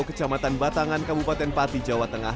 kecamatan batangan kabupaten pati jawa tengah